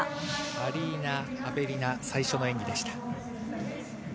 アリーナ・アベリナ最初の演技でした。